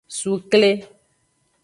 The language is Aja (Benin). Sukle.